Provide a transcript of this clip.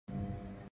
No audio.